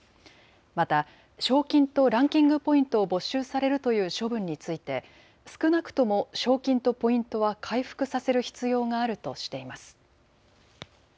また賞金とランキングポイントを没収されるという処分について少なくとも賞金とポイントは回復させる必要があるとしています。